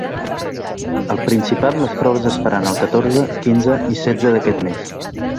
Al Principat les proves es faran el catorze, quinze i setze d’aquest mes.